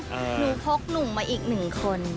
หนูพกหนุ่มมาอีกหนึ่งคน